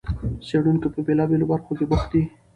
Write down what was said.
څېړونکي په بېلابېلو برخو کې بوخت دي.